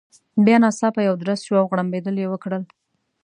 بیا ناڅاپه یو درز شو، او غړمبېدل يې وکړل.